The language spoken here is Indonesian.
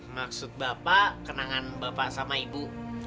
maksud bapak kenangan bapak sama ibu